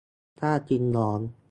ถ้า กินร้อน